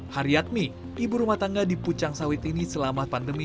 haryatmi ibu rumah tangga di pucang sawit ini selama pandemi